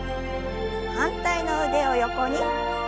反対の腕を横に。